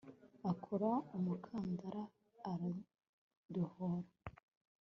Akora umukandara aradohora